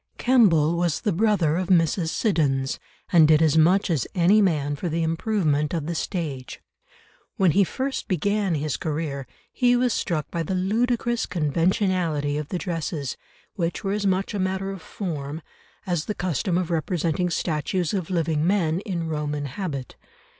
Kemble was the brother of Mrs. Siddons, and did as much as any man for the improvement of the stage; when he first began his career, he was struck by the ludicrous conventionality of the dresses, which were as much a matter of form as the custom of representing statues of living men "in Roman habit."